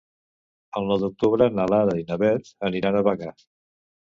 El nou d'octubre na Lara i na Beth aniran a Bagà.